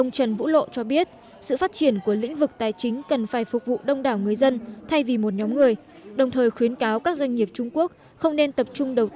ông trần vũ lộ cho biết sự phát triển của lĩnh vực tài chính cần phải phục vụ đông đảo người dân thay vì một nhóm người đồng thời khuyến cáo các doanh nghiệp trung quốc không nên tập trung đầu tư một cách mù quáng vào lĩnh vực này